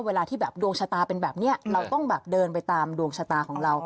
เวลาที่แบบดวงชะตาเป็นแบบนี้เราต้องแบบเดินไปตามดวงชะตาของเรา